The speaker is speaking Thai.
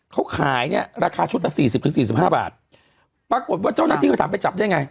เขาขายเนี่ยราคาชุดละสี่สิบถึงสี่สิบห้าบาทปรากฏว่าเจ้าหน้าที่เขาถามไปจับได้ไง